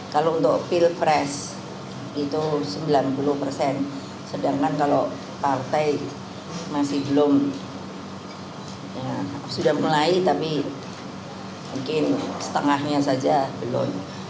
kalau untuk pilpres itu sembilan puluh persen sedangkan kalau partai masih belum sudah mulai tapi mungkin setengahnya saja belum